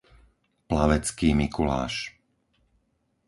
Plavecký Mikuláš